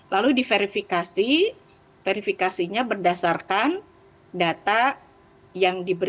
lalu diverifikasi verifikasinya berdasarkan data yang diberikan